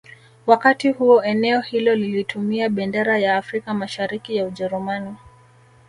Wakati huo eneo hilo lilitumia bendera ya Afrika Mashariki ya Ujerumani